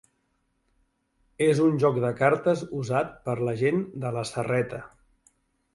És un joc de cartes usat per la gent de la Serreta.